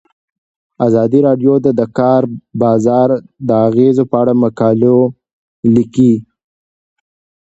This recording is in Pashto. ازادي راډیو د د کار بازار د اغیزو په اړه مقالو لیکلي.